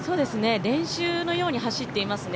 練習のように走っていますね。